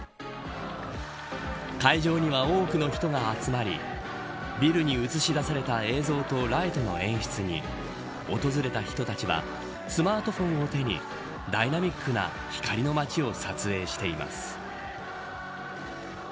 会場には多くの人が集まりビルに映し出された映像とライトの演出に訪れた人たちはスマートフォンを手にダイナミックな光の町を撮影しています。